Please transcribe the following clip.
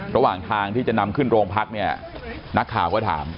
ระหว่างทางที่จะนำขึ้นโรงพักเนี่ยนักข่าวก็ถาม